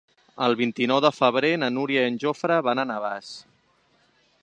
El vint-i-nou de febrer na Núria i en Jofre van a Navàs.